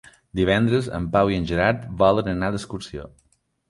Divendres en Pau i en Gerard volen anar d'excursió.